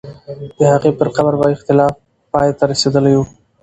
د هغې پر قبر به اختلاف پای ته رسېدلی وو.